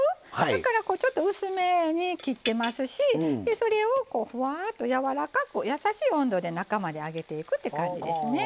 だからちょっと薄めに切ってますしそれをふわっとやわらかく優しい温度で中まで揚げていくって感じですね。